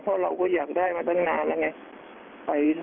เพราะเราก็อยากได้มาตั้งนานแล้วไง